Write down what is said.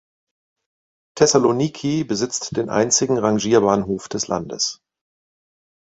Thessaloniki besitzt den einzigen Rangierbahnhof des Landes.